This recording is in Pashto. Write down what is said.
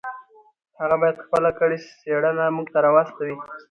هغه باید خپله کړې څېړنه موږ ته راواستوي.